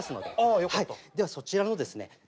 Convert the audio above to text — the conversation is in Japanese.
ではそちらのですね